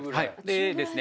でですね